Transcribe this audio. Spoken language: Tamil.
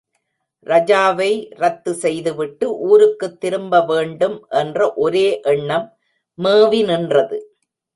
ரஜாவை ரத்து செய்துவிட்டு ஊருக்குத் திரும்பவேண்டும் என்ற ஒரே எண்ணம் மேவி நின்றது.